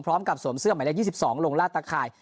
พร้อมกับสวมเสื้อใหม่เลขยี่สิบสองลงล่าตะคาย